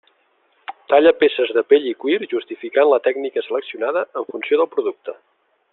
Talla peces de pell i cuir justificant la tècnica seleccionada en funció del producte.